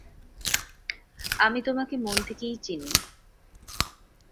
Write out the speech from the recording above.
আমি তোমাকে মন থেকেই চিনি।